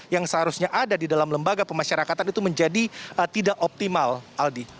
yang seharusnya ada di dalam lembaga pemasyarakatan itu menjadi tidak optimal aldi